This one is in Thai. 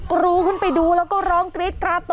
กรูขึ้นไปดูแล้วก็ร้องกรี๊ดกราบต่อ